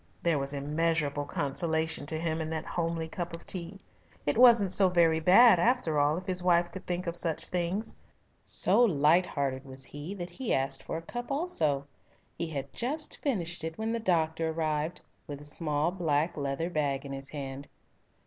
There was immeasurable consolation to him in that homely cup of tea. It wasn't so very bad after all if his wife could think of such things. So light hearted was he that he asked for a cup also. He had just finished it when the doctor arrived, with a small black leather bag in his hand.